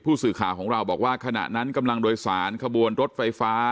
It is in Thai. ผู้สื่อข่าวของเราบอกว่าขณะนั้นกำลังโดยสารขบวนรถไฟฟ้า